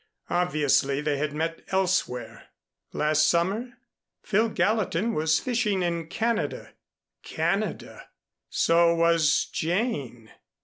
Obviously they had met elsewhere. Last summer? Phil Gallatin was fishing in Canada Canada! So was Jane!